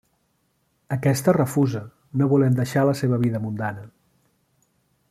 Aquesta refusa, no volent deixar la seva vida mundana.